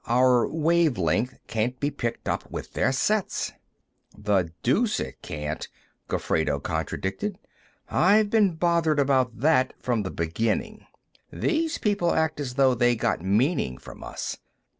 Our wave length can't be picked up with their sets." "The deuce it can't," Gofredo contradicted. "I've been bothered about that from the beginning. These people act as though they got meaning from us.